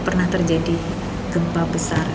pernah terjadi gempa besar